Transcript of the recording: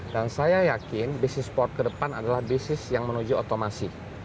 dan saya yakin bisnis sport ke depan adalah bisnis yang menuju otomasi